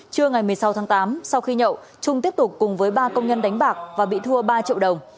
trưa ngày một mươi sáu tháng tám sau khi nhậu trung tiếp tục cùng với ba công nhân đánh bạc và bị thua ba triệu đồng